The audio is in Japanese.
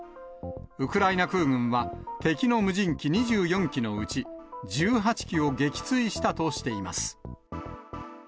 ウクライナ空軍は、敵の無人機２４機のうち１８機を撃墜したとしています。